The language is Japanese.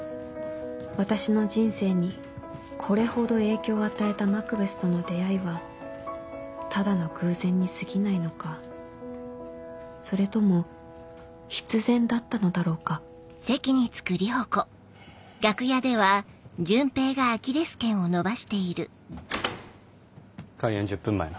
私の人生にこれほど影響を与えたマクベスとの出会いはただの偶然にすぎないのかそれとも必然だったのだろうか開演１０分前な。